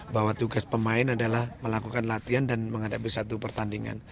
bahwa tugas pemain adalah melakukan latihan dan menghadapi satu pertandingan